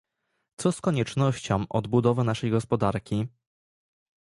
Co z koniecznością odbudowy naszej gospodarki?